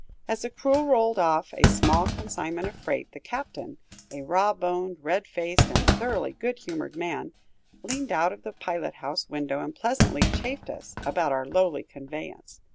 As the crew rolled off a small consignment of freight, the captain a raw boned, red faced, and thoroughly good humored man leaned out of the pilot house window and pleasantly chaffed us about our lowly conveyance.